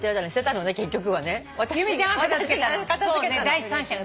第三者が。